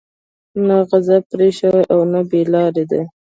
نه غضب پرې شوى او نه بې لاري دي.